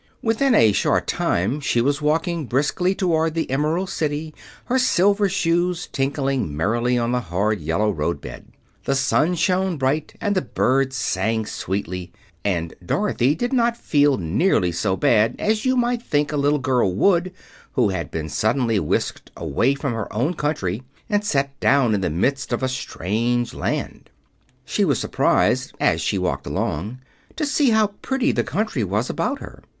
Within a short time she was walking briskly toward the Emerald City, her silver shoes tinkling merrily on the hard, yellow road bed. The sun shone bright and the birds sang sweetly, and Dorothy did not feel nearly so bad as you might think a little girl would who had been suddenly whisked away from her own country and set down in the midst of a strange land. She was surprised, as she walked along, to see how pretty the country was about her.